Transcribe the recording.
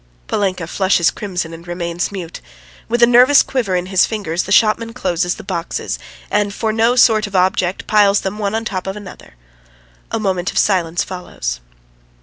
Polinka flushes crimson and remains mute. With a nervous quiver in his fingers the shopman closes the boxes, and for no sort of object piles them one on the top of another. A moment of silence follows.